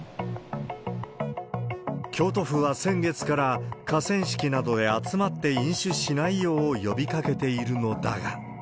京都府は先月から、河川敷などへ集まって飲酒しないよう呼びかけているのだが。